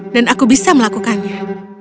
dan aku bisa melakukannya